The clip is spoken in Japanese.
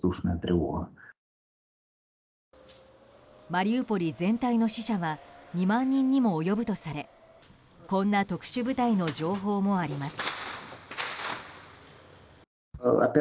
マリウポリ全体の死者は２万人にも及ぶとされこんな特殊部隊の情報もあります。